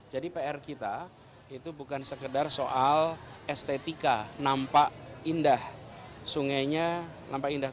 jadi pr kita itu bukan sekedar soal estetika nampak indah sungainya nampak indah